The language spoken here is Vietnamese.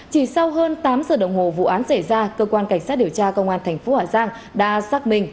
chỉ sau hơn tám giờ đồng hồ vụ án xảy ra cơ quan cảnh sát điều tra công an thành phố hà giang đã xác minh